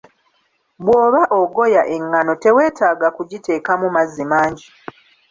Bw'oba ogoya engano tewetaaga kugiteekamu mazzi mangi.